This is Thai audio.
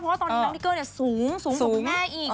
เพราะว่าตอนนี้น้องนิเกอร์สูงกว่าคุณแม่อีก